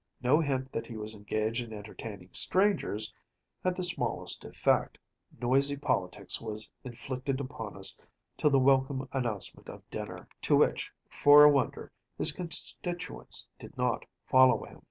No hint that he was engaged in entertaining strangers had the smallest effect: noisy politics was inflicted upon us till the welcome announcement of dinner, to which, for a wonder, his constituents did not follow him.